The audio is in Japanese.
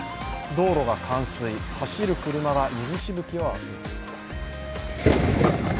道路が冠水、走る車が水しぶきを上げています。